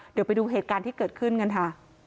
เดี๋ยวไปดูเหตุการณ์ที่เกิดขึ้นกันค่ะ